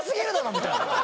みたいな。